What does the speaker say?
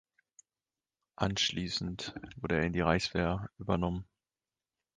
Anschließend wurde er in die Reichswehr übernommen.